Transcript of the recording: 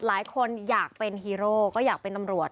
หลายคนอยากเป็นฮีโร่ก็อยากเป็นตำรวจ